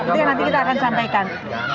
itu yang nanti kita akan sampaikan